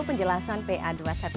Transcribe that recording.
penjelasan pa dua ratus dua belas